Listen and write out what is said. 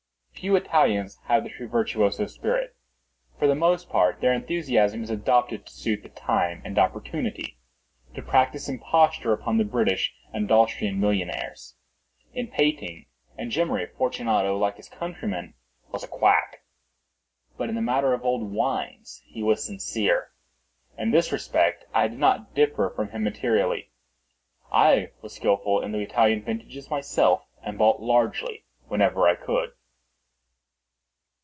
Few Italians have the true virtuoso spirit. For the most part their enthusiasm is adopted to suit the time and opportunity—to practise imposture upon the British and Austrian millionaires. In painting and gemmary, Fortunato, like his countrymen, was a quack—but in the matter of old wines he was sincere. In this respect I did not differ from him materially: I was skilful in the Italian vintages myself, and bought largely whenever I could.